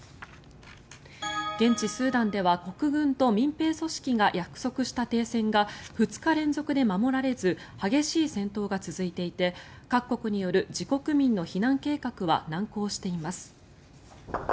現地スーダンでは国軍と民兵組織が約束した停戦が２日連続で守られず激しい戦闘が続いていて各国による自国民の避難計画は難航しています。